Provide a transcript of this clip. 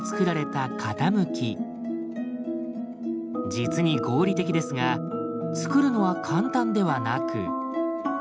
実に合理的ですがつくるのは簡単ではなく。